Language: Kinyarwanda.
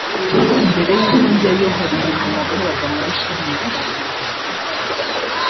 Mbere y’uko njyayo hari ibintu nakoraga muri film zanjye